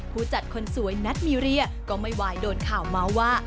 ผู้จัดคนสวยนัทมีเรียก็ไม่วายโดนข่าวเมาส์ว่า